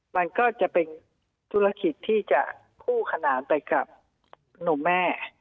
มันก็จะเป็นธุรกิจที่จะคู่ขนานไปกับหนุ่มแม่